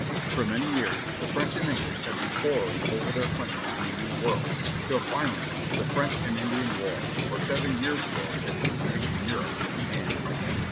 For many years the French and English had been quarrelling over their claims in the New World, till finally the "French and Indian War," or "Seven Years' War," as it was named in Europe, began.